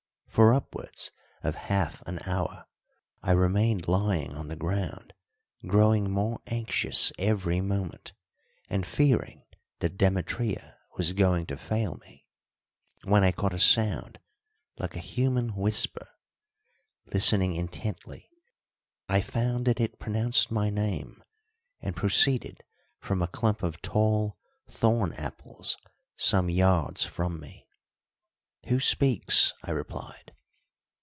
For upwards of half an hour I remained lying on the ground, growing more anxious every moment and fearing that Demetria was going to fail me, when I caught a sound like a human whisper. Listening intently, I found that it pronounced my name and proceeded from a clump of tall thorn apples some yards from me. "Who speaks?" I replied.